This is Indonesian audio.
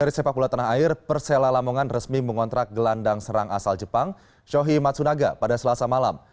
dari sepak bola tanah air persela lamongan resmi mengontrak gelandang serang asal jepang shohi matsunaga pada selasa malam